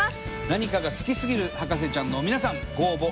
何かが好きすぎる博士ちゃんの皆さんご応募